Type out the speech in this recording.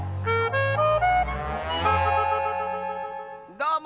どうも。